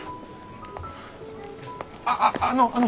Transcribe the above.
ああああのあの。